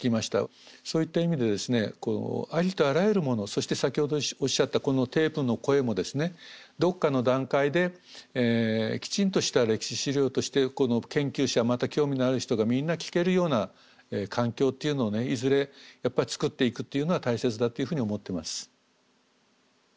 そういった意味でですねありとあらゆるものそして先ほどおっしゃったこのテープの声もですねどっかの段階できちんとした歴史史料としてこの研究者また興味のある人がみんな聞けるような環境っていうのをねいずれつくっていくっていうのは大切だっていうふうに思ってます。